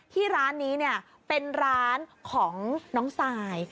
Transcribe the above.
ที่ร้านนี้เป็นร้านของน้องซาย